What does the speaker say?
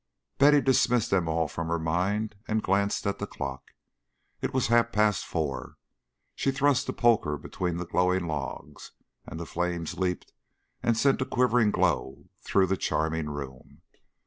Betty dismissed them all from her mind and glanced at the clock. It was half past four. She thrust the poker between the glowing logs, and the flames leaped and sent a quivering glow through the charming room.